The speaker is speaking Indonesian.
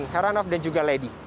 haranof dan juga lady